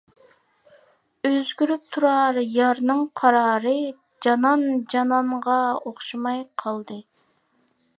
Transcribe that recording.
ئۆزگىرىپ تۇرار يارنىڭ قارارى، جانان جانانغا ئوخشىماي قالدى.